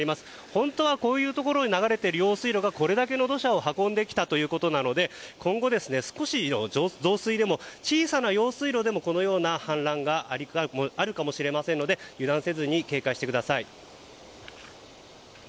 本当はこういうところを流れている用水路がこれだけの土砂を運んできたということなので今後、少しの増水でも小さな用水路でもこのような氾濫があるかもしれませんので油断せずに警戒してください。